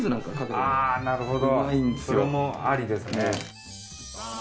なるほどそれもありですね。